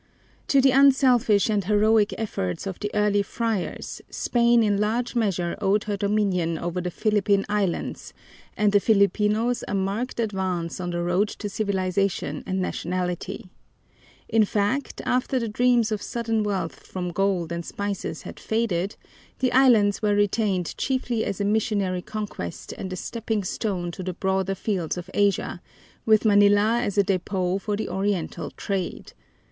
To the unselfish and heroic efforts of the early friars Spain in large measure owed her dominion over the Philippine Islands and the Filipinos a marked advance on the road to civilization and nationality. In fact, after the dreams of sudden wealth from gold and spices had faded, the islands were retained chiefly as a missionary conquest and a stepping stone to the broader fields of Asia, with Manila as a depot for the Oriental trade.